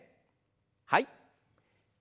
はい。